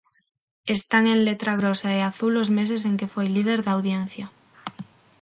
Están en letra grosa e azul os meses en que foi líder de audiencia.